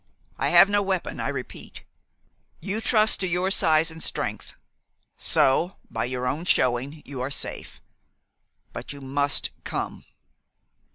I have no weapon, I repeat. You trust to your size and strength; so, by your own showing, you are safe. But you must come!"